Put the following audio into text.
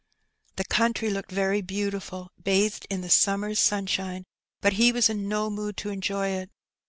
The country looked very beautiful bathed in the summer's sunshine, but he was in no mood to enjoy it.